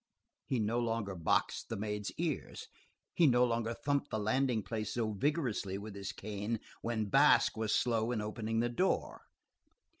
He no longer boxed the maids' ears; he no longer thumped the landing place so vigorously with his cane when Basque was slow in opening the door.